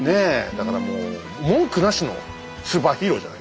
だからもう文句なしのスーパーヒーローじゃないか。ね！